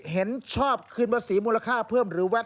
เห็นชอบคืนภาษีมูลค่าเพิ่มหรือแวด